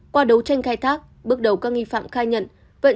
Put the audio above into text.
qua đấu tranh khai thác bước đầu các nghi phạm khai nhận